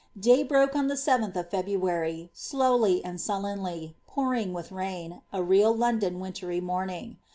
Day broke on the 7th of Februar}', slowly and sullenly, pouring with rain, a real London wintry Dioniing.